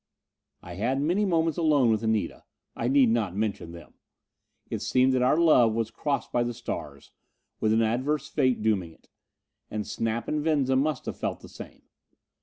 I had many moments alone with Anita. I need not mention them. It seemed that our love was crossed by the stars, with an adverse fate dooming it. And Snap and Venza must have felt the same.